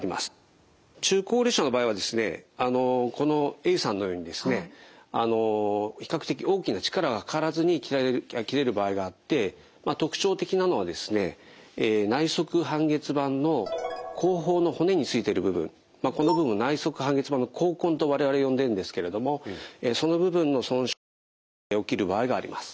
中高齢者の場合はこのＡさんのようにですね比較的大きな力がかからずに切れる場合があって特徴的なのはですね内側半月板の後方の骨についてる部分この部分内側半月板の後根と我々呼んでるんですけれどもその部分の損傷が起きる場合があります。